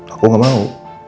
aku gak mau